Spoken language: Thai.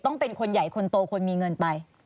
เป็นคนใหญ่คนโตคนมีเงินไป